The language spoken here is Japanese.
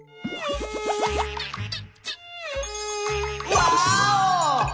ワーオ！